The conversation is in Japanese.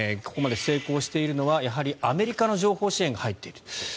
ここまで成功しているのはやはりアメリカの情報支援が入っている。